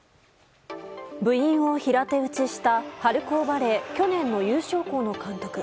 部員を平手打ちした春高バレー、去年の優勝校の監督。